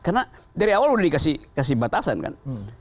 karena dari awal sudah dikasih batasan kan